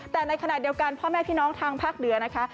แต่ในขณะเดียวกันพ่อแม่พี่น้องทางภาคเหนือนะคะ